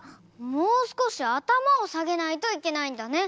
もうすこしあたまをさげないといけないんだね！